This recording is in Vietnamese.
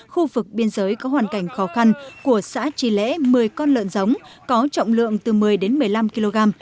khu vực biên giới có hoàn cảnh khó khăn của xã tri lễ một mươi con lợn giống có trọng lượng từ một mươi đến một mươi năm kg